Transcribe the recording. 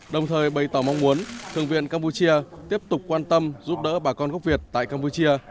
đồng thời bày tỏ mong muốn thượng viện campuchia tiếp tục quan tâm giúp đỡ bà con gốc việt tại campuchia